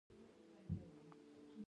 زه په خولو کښې لوند خيشت وم.